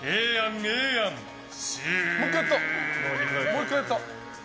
もう１回やった。